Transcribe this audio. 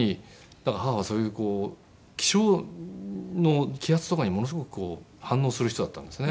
だから母はそういうこう気象の気圧とかにものすごく反応する人だったんですね。